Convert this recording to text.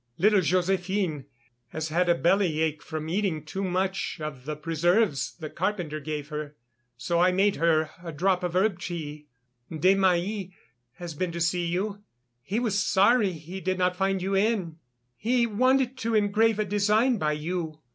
Little Joséphine has had a belly ache from eating too much of the preserves the carpenter gave her. So I made her a drop of herb tea.... Desmahis has been to see you; he was sorry he did not find you in. He wanted to engrave a design by you.